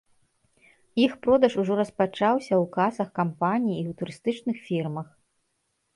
Іх продаж ужо распачаўся ў касах кампаніі і ў турыстычных фірмах.